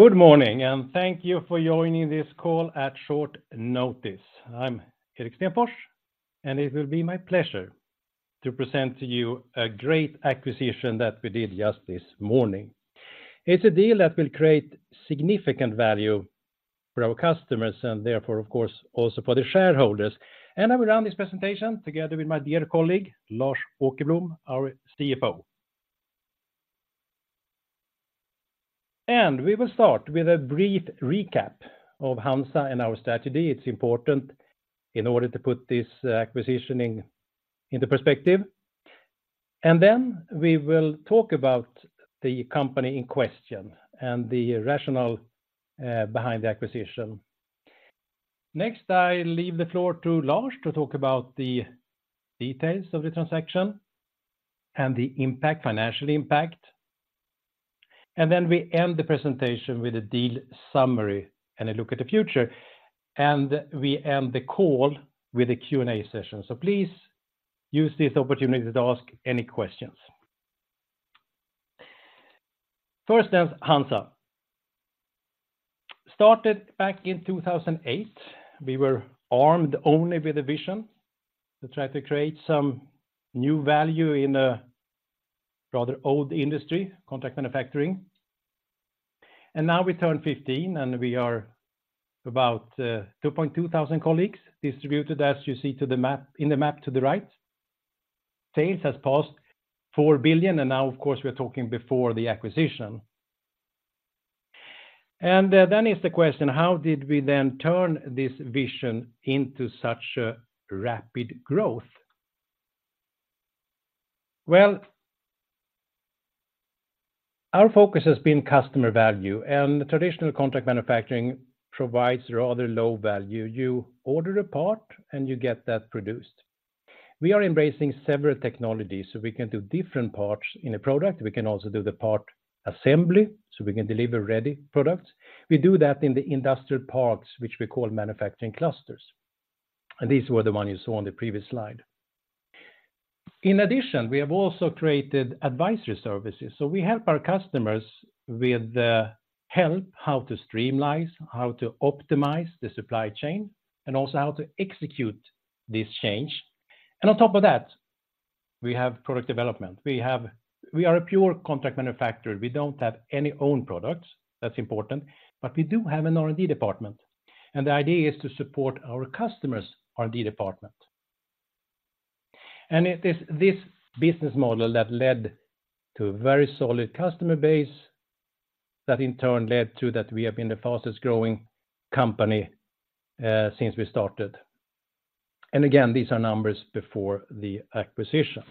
Good morning, and thank you for joining this call at short notice. I'm Erik Stenfors, and it will be my pleasure to present to you a great acquisition that we did just this morning. It's a deal that will create significant value for our customers, and therefore, of course, also for the shareholders. I will run this presentation together with my dear colleague, Lars Åkerblom, our CFO. We will start with a brief recap of HANZA and our strategy. It's important in order to put this acquisition into perspective. Then we will talk about the company in question and the rationale behind the acquisition. Next, I leave the floor to Lars to talk about the details of the transaction and the impact, financial impact. Then we end the presentation with a deal summary and a look at the future, and we end the call with a Q&A session. Please use this opportunity to ask any questions. First is HANZA. Started back in 2008, we were armed only with a vision to try to create some new value in a rather old industry, contract manufacturing. Now we turn 15, and we are about 2,200 colleagues distributed, as you see in the map to the right. Sales has passed 4 billion, and now, of course, we're talking before the acquisition. Then is the question: how did we then turn this vision into such a rapid growth? Well, our focus has been customer value, and traditional contract manufacturing provides rather low value. You order a part, and you get that produced. We are embracing several technologies, so we can do different parts in a product. We can also do the part assembly, so we can deliver ready products. We do that in the industrial parks, which we call manufacturing clusters, and these were the ones you saw on the previous slide. In addition, we have also created advisory services, so we help our customers with the help, how to streamline, how to optimize the supply chain, and also how to execute this change. On top of that, we have product development. We are a pure contract manufacturer. We don't have any own products, that's important, but we do have an R&D department, and the idea is to support our customers' R&D department. It is this business model that led to a very solid customer base, that in turn led to that we have been the fastest-growing company since we started. Again, these are numbers before the acquisition.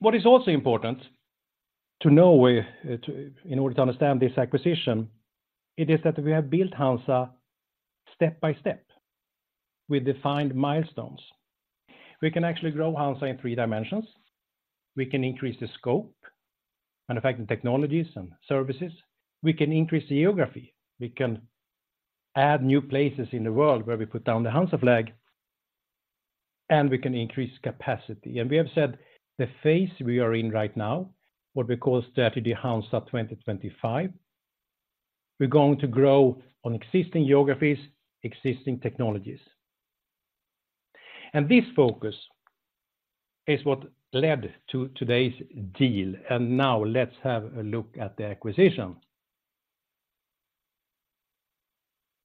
What is also important to know, to in order to understand this acquisition, it is that we have built HANZA step by step with defined milestones. We can actually grow HANZA in three dimensions. We can increase the scope, manufacturing technologies and services. We can increase geography. We can add new places in the world where we put down the HANZA flag, and we can increase capacity. We have said the phase we are in right now, what we call Strategy HANZA 2025, we're going to grow on existing geographies, existing technologies. And this focus is what led to today's deal, and now let's have a look at the acquisition.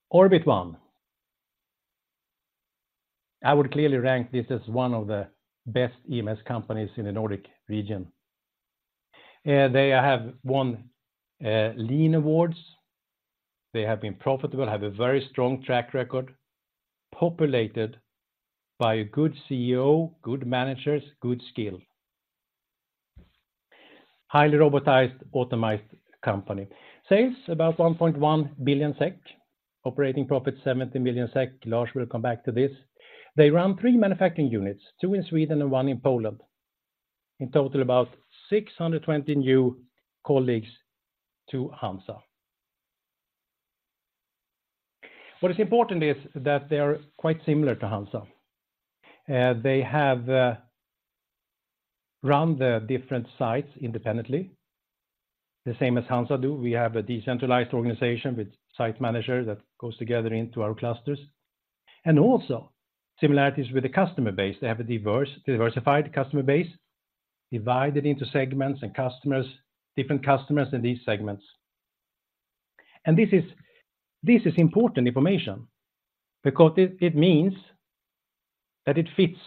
Orbit One. I would clearly rank this as one of the best EMS companies in the Nordic region. They have won lean awards. They have been profitable, have a very strong track record, populated by a good CEO, good managers, good skill. Highly robotized, automized company. Sales, about 1.1 billion SEK, operating profit, 70 million SEK. Lars will come back to this. They run three manufacturing units, two in Sweden and one in Poland. In total, about 620 new colleagues to HANZA. What is important is that they are quite similar to HANZA. They have run the different sites independently, the same as HANZA do. We have a decentralized organization with site manager that goes together into our clusters. And also similarities with the customer base. They have a diverse, diversified customer base, divided into segments and customers, different customers in these segments. And this is, this is important information because it, it means that it fits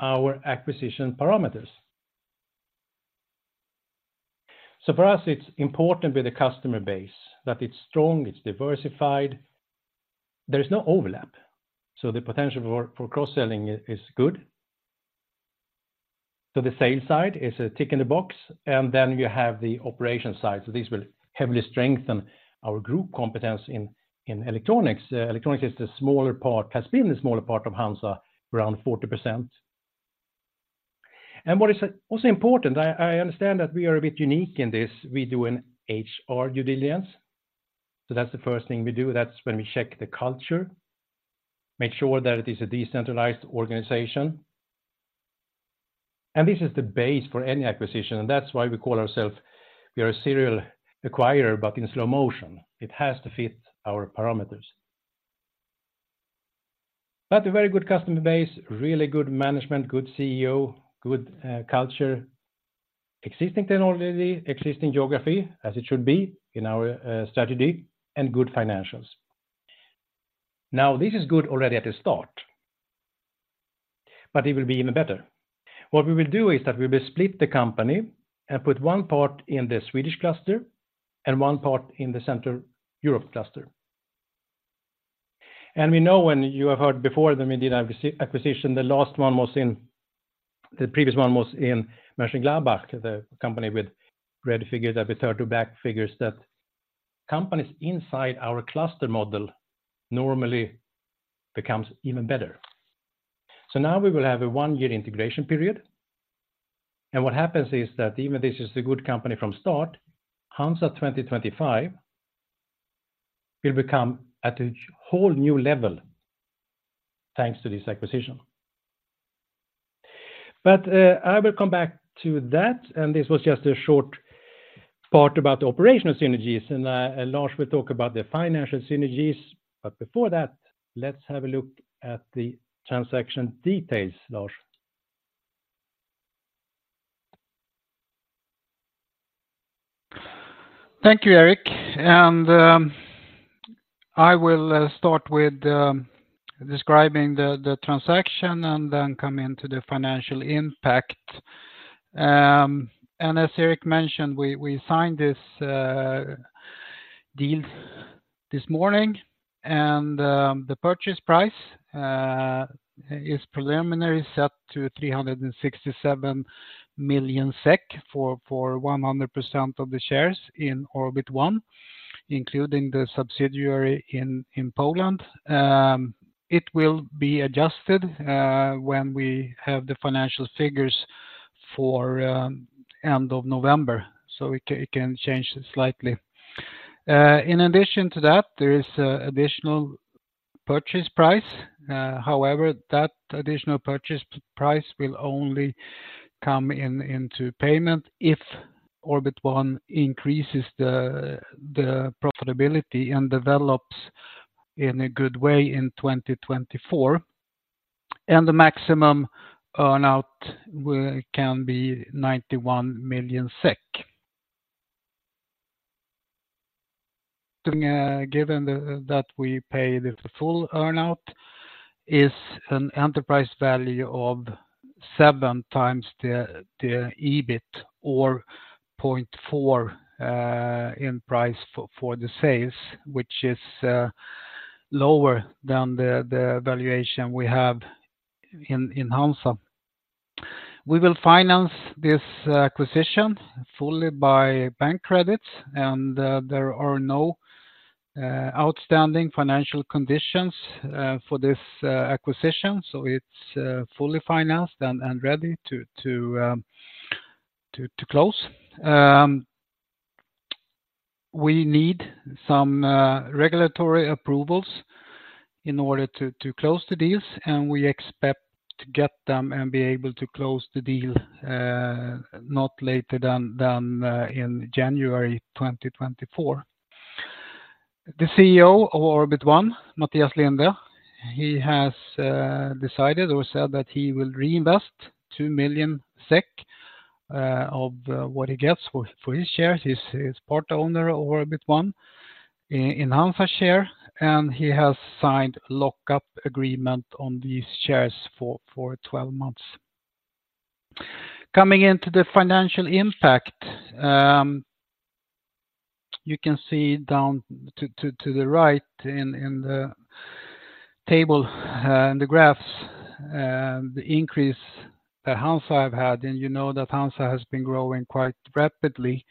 our acquisition parameters. So for us, it's important with the customer base that it's strong, it's diversified. There is no overlap, so the potential for, for cross-selling is, is good. So the sales side is a tick in the box, and then you have the operation side. So this will heavily strengthen our group competence in, in electronics. Electronics is the smaller part, has been the smaller part of HANZA, around 40%. And what is also important, I, I understand that we are a bit unique in this. We do an HR due diligence, so that's the first thing we do. That's when we check the culture. Make sure that it is a decentralized organization. And this is the base for any acquisition, and that's why we call ourselves we are a serial acquirer, but in slow motion. It has to fit our parameters. But a very good customer base, really good management, good CEO, good culture, existing technology, existing geography, as it should be in our strategy, and good financials. Now, this is good already at the start, but it will be even better. What we will do is that we will split the company and put one part in the Swedish cluster and one part in the Central Europe cluster. We know when you have heard before that we did an acquisition, the previous one was in Mönchengladbach, the company with red figures, that we turned to black figures that companies inside our cluster model normally becomes even better. So now we will have a one-year integration period, and what happens is that even this is a good company from start, HANZA 2025 will become at a whole new level, thanks to this acquisition. But, I will come back to that, and this was just a short part about the operational synergies, and, Lars will talk about the financial synergies. But before that, let's have a look at the transaction details, Lars. Thank you, Eric, and I will start with describing the transaction and then come into the financial impact. As Eric mentioned, we signed this deal this morning, and the purchase price is preliminary set to 367 million SEK for 100% of the shares in Orbit One, including the subsidiary in Poland. It will be adjusted when we have the financial figures for end of November, so it can change slightly. In addition to that, there is additional purchase price, however, that additional purchase price will only come into payment if Orbit One increases the profitability and develops in a good way in 2024, and the maximum earn-out will can be 91 million SEK. Given that we paid, the full earn-out is an enterprise value of 7x the EBIT or 0.4 in price for the sales, which is lower than the valuation we have in HANZA. We will finance this acquisition fully by bank credits, and there are no outstanding financial conditions for this acquisition, so it's fully financed and ready to close. We need some regulatory approvals in order to close the deals, and we expect to get them and be able to close the deal not later than in January 2024. The CEO of Orbit One, Mattias Lindhe, he has decided or said that he will reinvest 2 million SEK of what he gets for his shares. He's part owner of Orbit One in HANZA shares, and he has signed a lockup agreement on these shares for 12 months. Coming into the financial impact, you can see down to the right in the table and the graphs, the increase that HANZA have had, and you know that HANZA has been growing quite rapidly,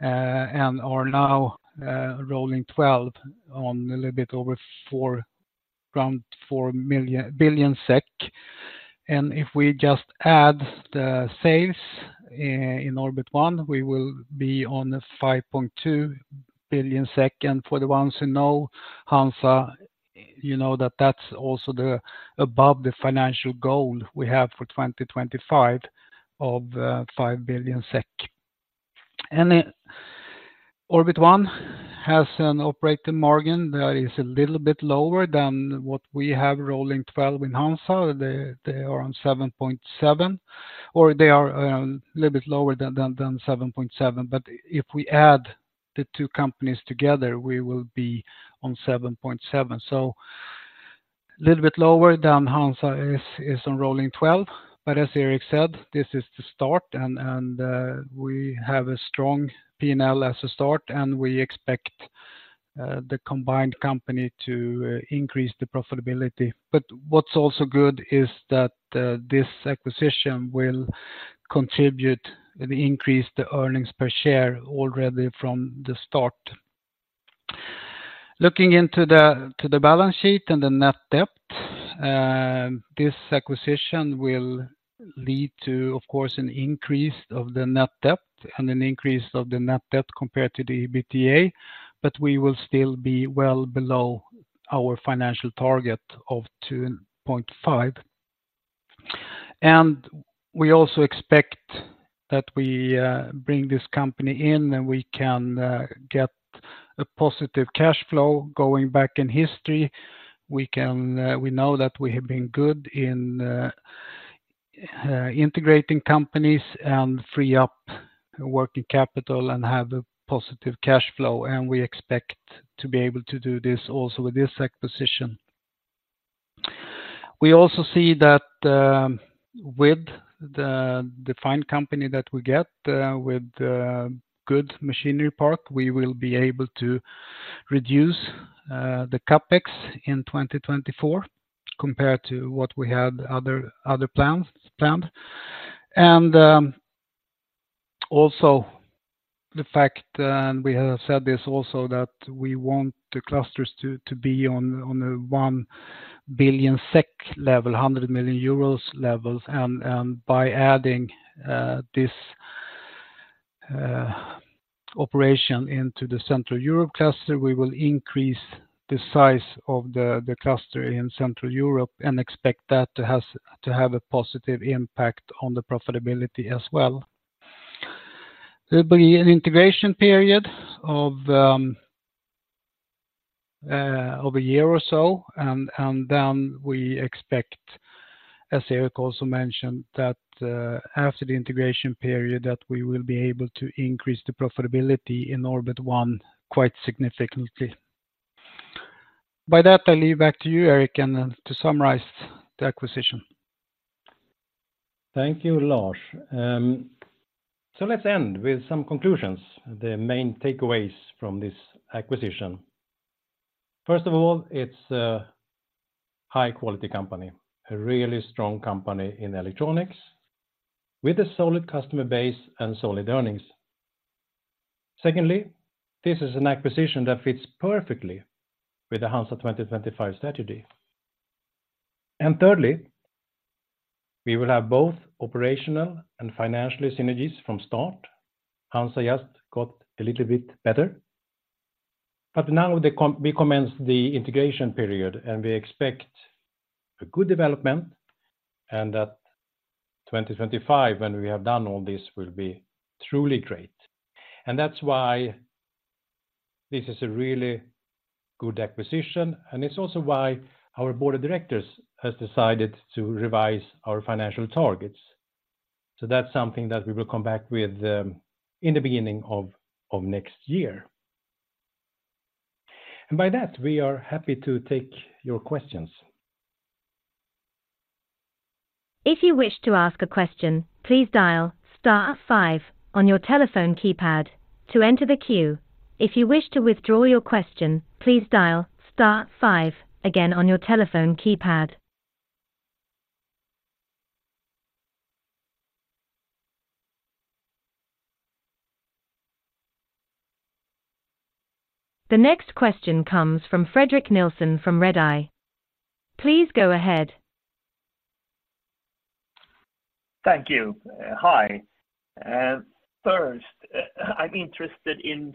and are now rolling twelve on a little bit over 4 billion SEK. And if we just add the sales in Orbit One, we will be on 5.2 billion. And for the ones who know HANZA, you know that that's also above the financial goal we have for 2025 of SEK 5 billion. And Orbit One has an operating margin that is a little bit lower than what we have rolling twelve in HANZA. They, they are on 7.7, or they are a little bit lower than, than 7.7. But if we add the two companies together, we will be on 7.7. So a little bit lower than HANZA is, is on rolling twelve, but as Erik said, this is the start, and, and we have a strong P&L as a start, and we expect the combined company to increase the profitability. But what's also good is that this acquisition will contribute and increase the earnings per share already from the start. Looking into the balance sheet and the net debt, this acquisition will lead to, of course, an increase of the net debt and an increase of the net debt compared to the EBITDA, but we will still be well below our financial target of 2.5. And we also expect that we bring this company in, and we can get a positive cash flow going back in history. We can. We know that we have been good in integrating companies and free up working capital and have a positive cash flow, and we expect to be able to do this also with this acquisition. We also see that, with the fine company that we get, with the good machinery park, we will be able to reduce the CapEx in 2024 compared to what we had otherwise planned. Also, the fact, and we have said this also, that we want the clusters to be on a 1 billion SEK level, 100 million euros levels. By adding this operation into the Central Europe cluster, we will increase the size of the cluster in Central Europe and expect that to have a positive impact on the profitability as well. There'll be an integration period of over a year or so, and then we expect, as Erik also mentioned, that after the integration period, that we will be able to increase the profitability in Orbit One quite significantly. By that, I leave back to you, Erik, and to summarize the acquisition. Thank you, Lars. So let's end with some conclusions, the main takeaways from this acquisition. First of all, it's a high-quality company, a really strong company in electronics, with a solid customer base and solid earnings. Secondly, this is an acquisition that fits perfectly with the HANZA 2025 strategy. And thirdly, we will have both operational and financial synergies from start. HANZA just got a little bit better, but now we commence the integration period, and we expect a good development and that 2025, when we have done all this, will be truly great. And that's why this is a really good acquisition, and it's also why our board of directors has decided to revise our financial targets. So that's something that we will come back with in the beginning of next year. And by that, we are happy to take your questions. If you wish to ask a question, please dial star five on your telephone keypad to enter the queue. If you wish to withdraw your question, please dial star five again on your telephone keypad. The next question comes from Fredrik Nilsson from Redeye. Please go ahead. Thank you. Hi. First, I'm interested in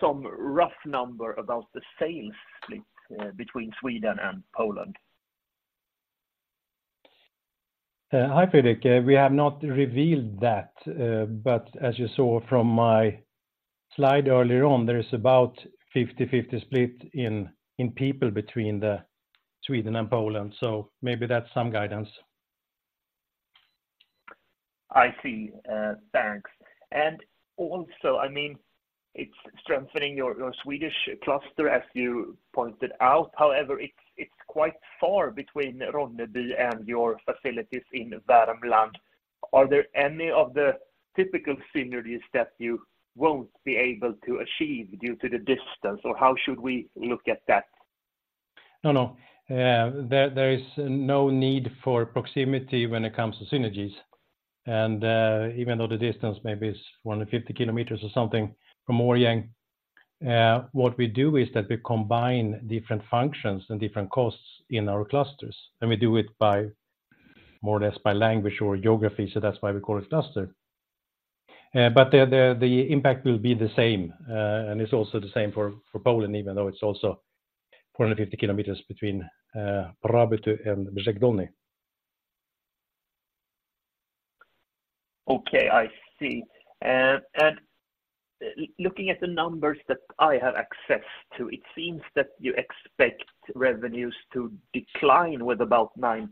some rough number about the sales split between Sweden and Poland. Hi, Fredrik. We have not revealed that, but as you saw from my slide earlier on, there is about 50/50 split in people between Sweden and Poland, so maybe that's some guidance. I see. Thanks. And also, I mean, it's strengthening your Swedish cluster, as you pointed out. However, it's quite far between Ronneby and your facilities in Värmland. Are there any of the typical synergies that you won't be able to achieve due to the distance, or how should we look at that? No, no. There, there is no need for proximity when it comes to synergies. And, even though the distance maybe is 150 km or something from Markaryd, what we do is that we combine different functions and different costs in our clusters, and we do it by more or less by language or geography, so that's why we call it cluster. But the impact will be the same, and it's also the same for Poland, even though it's also 450 km between Prabuty and Brzeg Dolny. Okay, I see. And looking at the numbers that I have access to, it seems that you expect revenues to decline with about 9%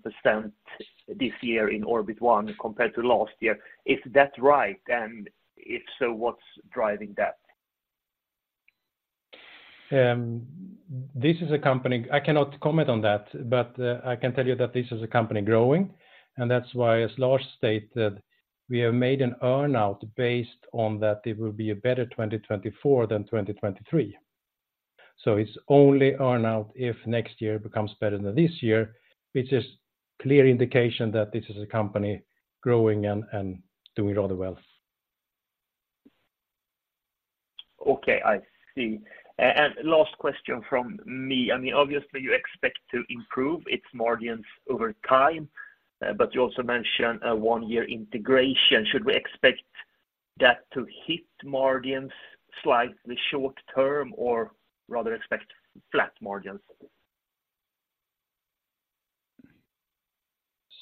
this year in Orbit One compared to last year. Is that right? And if so, what's driving that? This is a company, I cannot comment on that, but I can tell you that this is a company growing, and that's why, as Lars stated, we have made an earn-out based on that it will be a better 2024 than 2023. So it's only earn-out if next year becomes better than this year, which is clear indication that this is a company growing and, and doing rather well. Okay, I see. And last question from me. I mean, obviously, you expect to improve its margins over time, but you also mentioned a one-year integration. Should we expect that to hit margins slightly short term or rather expect flat margins?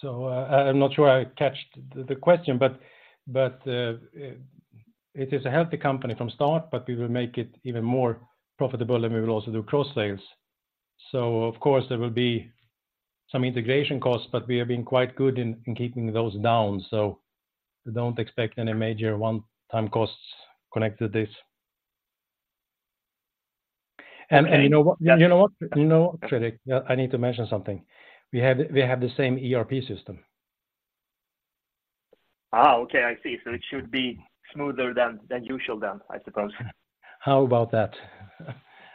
So, I'm not sure I caught the question, but it is a healthy company from start, but we will make it even more profitable, and we will also do cross sales. So of course, there will be some integration costs, but we have been quite good in keeping those down, so we don't expect any major one-time costs connected to this. You know what? You know what? You know, Fredrik, I need to mention something. We have the same ERP system. Ah, okay, I see. So it should be smoother than usual then, I suppose. How about that?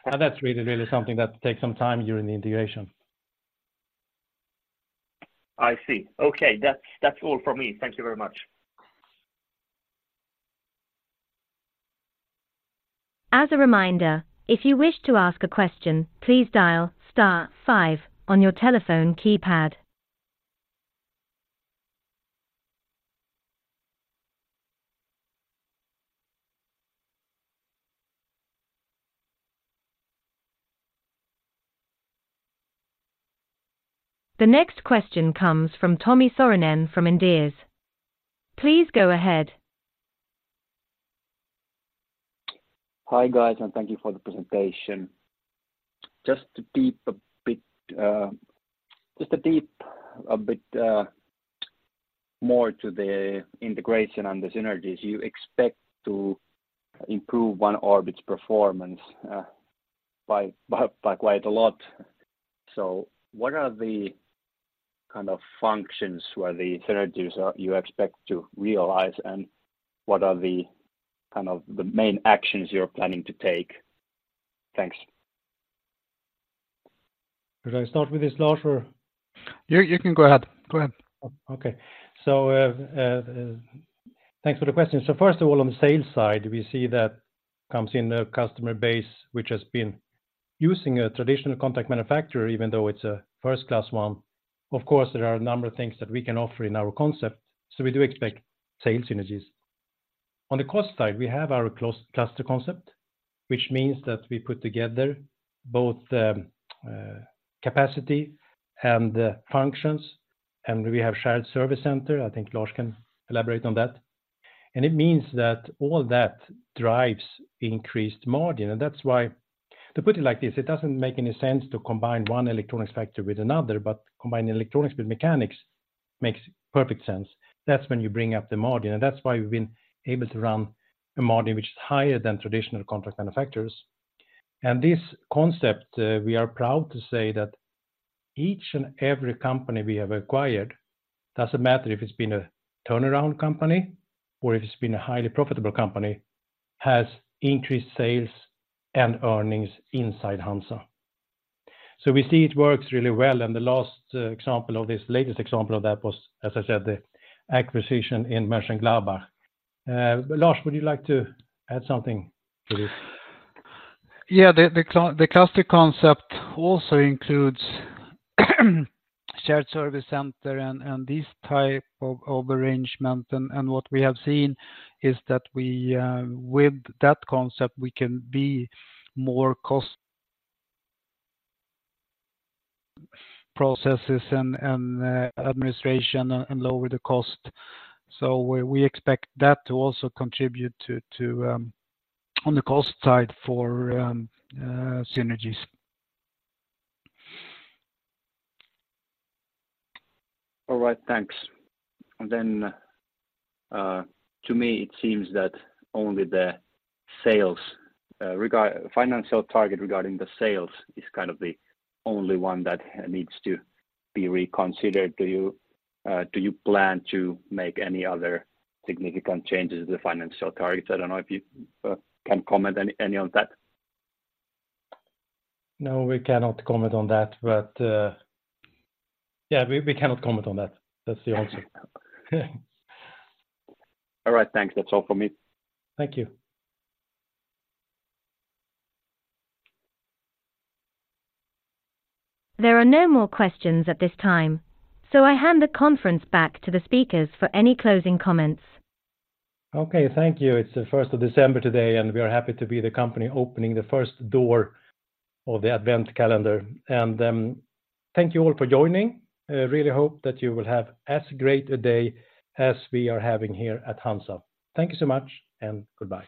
Now, that's really, really something that takes some time during the integration. I see. Okay, that's, that's all from me. Thank you very much. As a reminder, if you wish to ask a question, please dial star five on your telephone keypad. The next question comes from Tommi Saarinen from Inderes. Please go ahead. Hi, guys, and thank you for the presentation. Just to dive a bit more into the integration and the synergies you expect to improve Orbit One's performance by quite a lot. So what are the kind of functions where the synergies are you expect to realize, and what are the kind of main actions you're planning to take? Thanks. Should I start with this, Lars, or? You can go ahead. Go ahead. Okay. So, thanks for the question. So first of all, on the sales side, we see that comes in a customer base, which has been using a traditional contract manufacturer, even though it's a first-class one. Of course, there are a number of things that we can offer in our concept, so we do expect sales synergies. On the cost side, we have our Close Cluster concept, which means that we put together both the capacity and the functions, and we have shared service center. I think Lars can elaborate on that. And it means that all that drives increased margin, and that's why. To put it like this, it doesn't make any sense to combine one electronics factory with another, but combining electronics with mechanics makes perfect sense. That's when you bring up the margin, and that's why we've been able to run a margin which is higher than traditional contract manufacturers. And this concept, we are proud to say that each and every company we have acquired, doesn't matter if it's been a turnaround company or if it's been a highly profitable company, has increased sales and earnings inside HANZA. So we see it works really well, and the last example of this, latest example of that was, as I said, the acquisition in Mönchengladbach. Lars, would you like to add something to this? Yeah, the cluster concept also includes shared service center and this type of arrangement. And what we have seen is that we, with that concept, we can be more cost processes and administration and lower the cost. So we expect that to also contribute to on the cost side for synergies. All right, thanks. Then, to me, it seems that only the sales financial target regarding the sales is kind of the only one that needs to be reconsidered. Do you plan to make any other significant changes to the financial targets? I don't know if you can comment any on that. No, we cannot comment on that, but yeah, we cannot comment on that. That's the answer. All right, thanks. That's all for me. Thank you. There are no more questions at this time, so I hand the conference back to the speakers for any closing comments. Okay, thank you. It's the first of December today, and we are happy to be the company opening the first door of the advent calendar. Thank you all for joining. I really hope that you will have as great a day as we are having here at HANZA. Thank you so much, and goodbye.